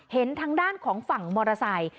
เห็นทางด้านของฝั่งมอเตอร์ไซค์